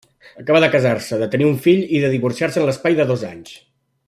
Acaba de casar-se, de tenir un fill i de divorciar-se en l'espai de dos anys.